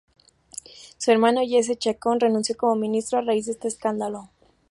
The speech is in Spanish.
Su hermano Jesse Chacón renunció como ministro a raíz de este escándalo.